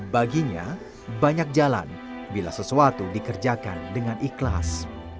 baginya banyak jalan bila sesuatu dikerjakan dengan ikhlas